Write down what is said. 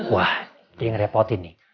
wah dia yang repotin nih